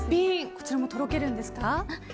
こちらもとろけるんですか？